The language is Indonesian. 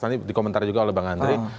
nanti dikomentar juga oleh bang andri